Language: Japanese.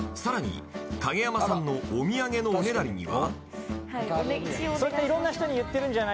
更に、影山さんのお土産のおねだりには？